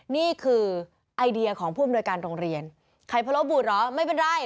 นี่คือไอเดียของผู้อำนวยการโรงเรียนไข่พะโลบูดเหรอไม่เป็นไร